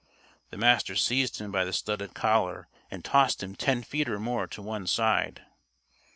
The Master seized him by the studded collar and tossed him ten feet or more to one side.